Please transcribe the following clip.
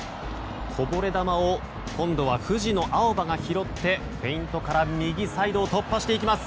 こぼれ球を今度は藤野あおばが拾ってフェイントから右サイドを突破していきます。